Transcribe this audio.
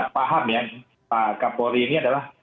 paham ya pak kapolri ini adalah